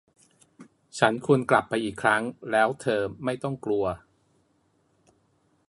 ฉันควรกลับไปอีกครั้ง แล้วเธอไม่ต้องกลัว